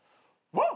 ワン！